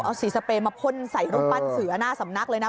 เอาสีสเปรย์มาพ่นใส่รูปปั้นเสือหน้าสำนักเลยนะ